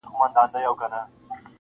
زه چي غرغړې ته ورختلم اسمان څه ویل-